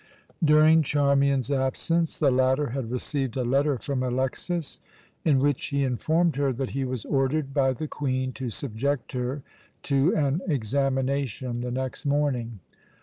During Charmian's absence the latter had received a letter from Alexas, in which he informed her that he was ordered by the Queen to subject her to an examination the next morning.